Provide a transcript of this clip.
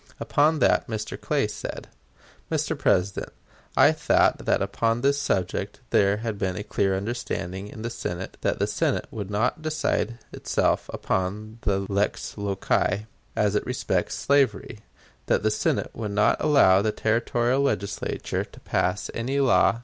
Upon that, Mr. Clay said: "Mr. President: I thought that upon this subject there had been a clear understanding in the Senate that the Senate would not decide itself upon the lex loci as it respects slavery; that the Senate would not allow the Territorial Legislature to pass any law upon that question.